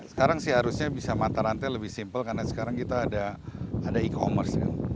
sekarang sih harusnya bisa mata rantai lebih simpel karena sekarang kita ada e commerce